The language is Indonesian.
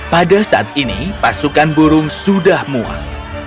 pada saat ini pasukan burung sudah muak